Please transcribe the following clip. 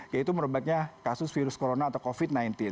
yaitu merebaknya kasus virus corona atau covid sembilan belas